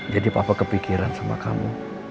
jadi papa kepikiran sama kamu